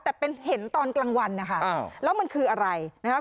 แต่เป็นเห็นตอนกลางวันนะคะแล้วมันคืออะไรนะคะ